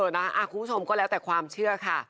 คุณผู้ชมก็แล้วแต่ความเชื่อค่ะ